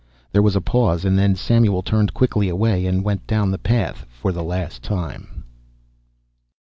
There was a pause and then Samuel turned quickly away and went down the path for the last time.